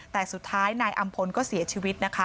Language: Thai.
แต่สุดท้ายนายอำพลก็เสียชีวิตนะคะ